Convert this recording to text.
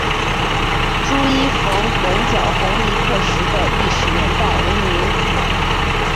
朱一冯攻剿红夷刻石的历史年代为明。